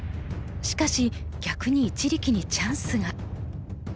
しかし逆に一力にチャンスが。